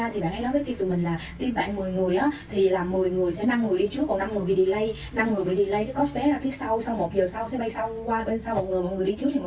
điện thoại lắm luôn thì mới trả được sáu mươi triệu